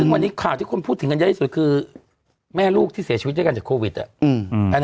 ซึ่งวันนี้ข่าวที่คนพูดถึงกันเยอะที่สุดคือแม่ลูกที่เสียชีวิตด้วยกันจากโควิด